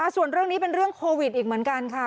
ส่วนเรื่องนี้เป็นเรื่องโควิดอีกเหมือนกันค่ะ